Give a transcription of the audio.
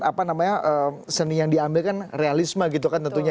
apa namanya seni yang diambil kan realisme gitu kan tentunya